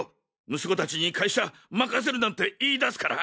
息子達に会社任せるなんて言い出すから！